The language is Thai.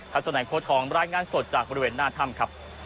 สนัยโค้ทองรายงานสดจากบริเวณหน้าถ้ำครับ